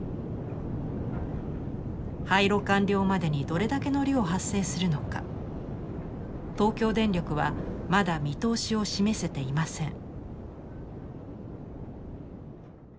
廃炉完了までにどれだけの量発生するのか東京電力はまだ見通しを示せていません。